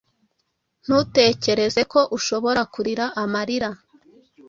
Ntutekereze ko ushobora kurira amarira,